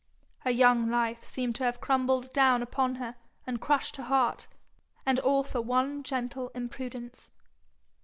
Her young life seemed to have crumbled down upon her and crushed her heart, and all for one gentle imprudence.